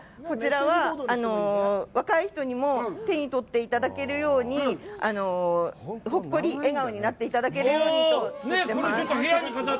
こちらは、若い人にも手に取っていただけるようにほっこり笑顔になっていただけるようにと作ってます。